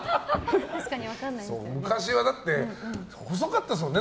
昔は細かったですもんね